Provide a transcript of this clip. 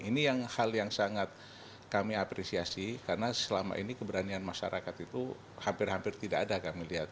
ini yang hal yang sangat kami apresiasi karena selama ini keberanian masyarakat itu hampir hampir tidak ada kami lihat